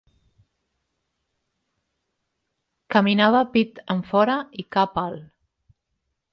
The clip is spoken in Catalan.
Caminava pit enfora i cap alt.